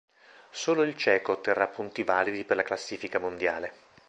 Solo il ceco otterrà punti validi per la classifica mondiale.